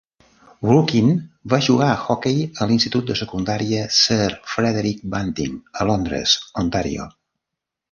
Rucchin va jugar a hoquei a l'institut de secundària Sir Frederick Banting a Londres, Ontario.